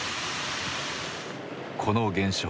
この現象。